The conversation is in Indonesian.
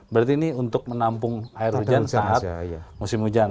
berarti ini untuk menampung air hujan saat musim hujan